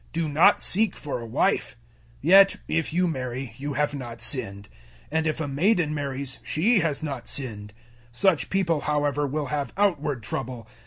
Do not seek for a wife. 007:028 Yet if you marry, you have not sinned; and if a maiden marries, she has not sinned. Such people, however, will have outward trouble.